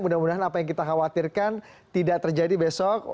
mudah mudahan apa yang kita khawatirkan tidak terjadi besok